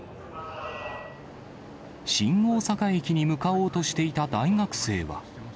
新大阪駅に向かおうとしていた大学生は。